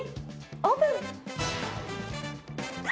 オープンあ！